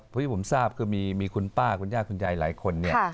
เพราะที่ผมทราบคือมีคุณป้าคุณย่าคุณยายหลายคนเนี่ย